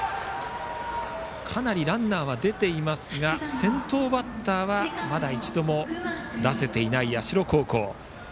かなりランナーは出ていますが先頭バッターはまだ一度も出せていない社高校。